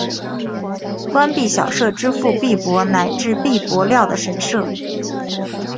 官币小社支付币帛乃至币帛料的神社。